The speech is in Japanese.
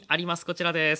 こちらです。